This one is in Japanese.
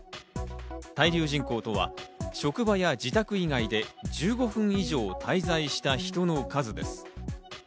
滞留人口とは職場や自宅以外で１５分以上滞在した人の数です。